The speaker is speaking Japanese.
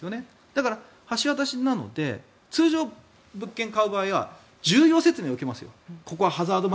だから、橋渡しなので通常、物件を買う場合は重要説明を受けますよ。